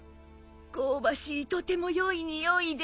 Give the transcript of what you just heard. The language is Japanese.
香ばしいとても良いにおいで。